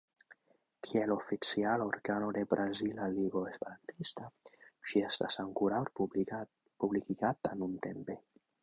Kiel oficiala organo de Brazila Ligo Esperantista, ĝi estas ankoraŭ publikigata nuntempe.